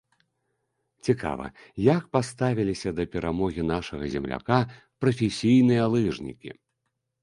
Цікава, як паставіліся да перамогі нашага земляка прафесійныя лыжнікі?